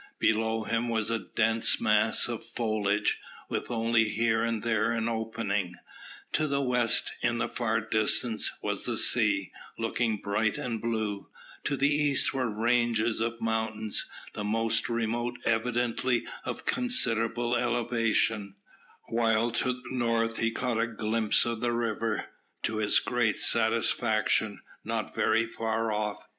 Below him was a dense mass of foliage, with only here and there an opening. To the west, in the far distance, was the sea, looking bright and blue; to the east were ranges of mountains, the most remote evidently of considerable elevation; while to the north he caught a glimpse of the river, to his great satisfaction, not very far off.